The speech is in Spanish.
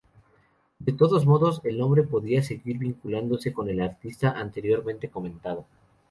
De todos modos, el hombre podría seguir vinculándose con el artista anteriormente comentado.